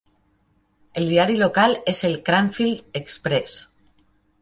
El diari local és el "Cranfield Express".